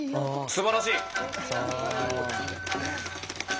すばらしい！